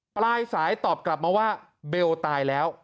ปลายสายตอบกลับมาว่าเบลตายแล้ว